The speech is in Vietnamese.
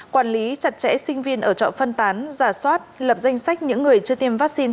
quản lý chặt chẽ sinh viên ở trọ phân tán giả soát lập danh sách những người chưa tiêm vaccine